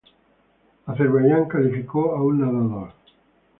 Azerbaiyán calificó a un nadador.